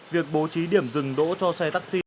việc bố trí điểm dừng đỗ cho xe taxi